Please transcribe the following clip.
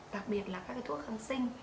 đặc biệt là các cái thuốc kháng sinh